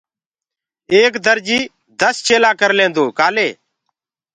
ايڪ درجي دس چيلآ ڪرليندوئي ڪآلي